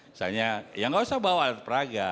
misalnya ya nggak usah bawa alat peraga